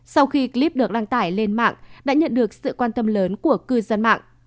sau khi clip được đăng tải lên mạng đã nhận được sự quan tâm lớn của cư dân mạng